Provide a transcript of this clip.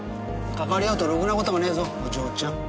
かかわり合うとろくな事がねえぞお嬢ちゃん。